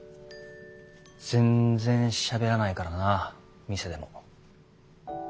全然しゃべらないからな店でも。